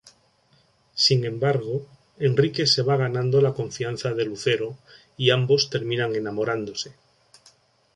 Sin embargo, Enrique se va ganando la confianza de Lucero y ambos terminan enamorándose.